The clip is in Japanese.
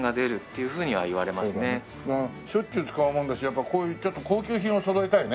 しょっちゅう使うもんだしやっぱこういうちょっと高級品をそろえたいね。